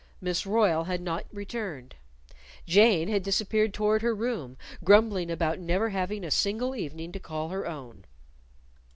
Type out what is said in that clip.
Miss Royle had not returned. Jane had disappeared toward her room, grumbling about never having a single evening to call her own.